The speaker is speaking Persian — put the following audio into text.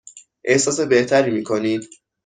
احساس بهتری می کنید؟